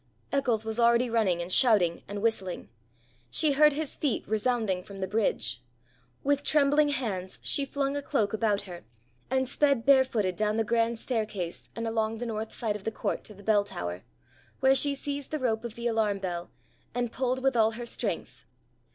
Eccles was already running and shouting and whistling. She heard his feet resounding from the bridge. With trembling hands she flung a cloak about her, and sped bare footed down the grand staircase and along the north side of the court to the bell tower, where she seized the rope of the alarm bell, and pulled with all her strength.